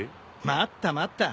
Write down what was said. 待った待った。